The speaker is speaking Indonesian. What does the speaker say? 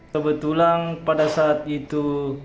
kebetulan pada saat itu